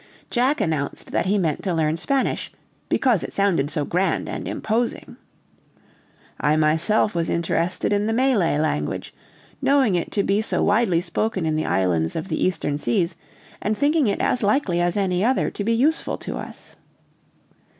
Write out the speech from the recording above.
Jack announced that he meant to learn Spanish, "because it sounded so grand and imposing." I myself was interested in the Malay language, knowing it to be so widely spoken in the islands of the Eastern Seas, and thinking it as likely as any other to be useful to us.